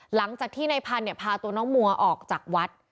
หลังจากที่ในพันธุ์พาตัวน้องมัวออกจากวัด